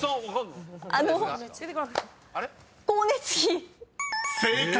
あの「光熱費」［正解！